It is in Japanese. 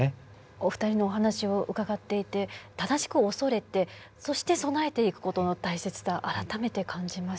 お二人のお話を伺っていて正しく恐れてそして備えていく事の大切さ改めて感じます。